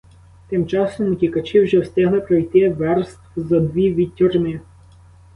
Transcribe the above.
Тим часом утікачі вже встигли пройти верст зо дві від тюрми.